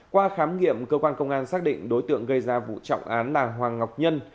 qua khám nghiệm cơ quan công an xác định đối tượng gây ra vụ trọng án là hoàng ngọc nhân